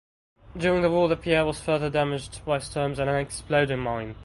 During the war the pier was further damaged by storms and an exploding mine.